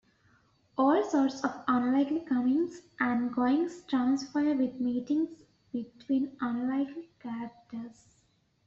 All sorts of unlikely comings and goings transpire, with meetings between unlikely characters.